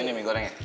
ini mie goreng ya